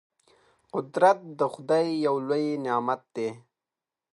قدرت د خدای یو لوی نعمت دی.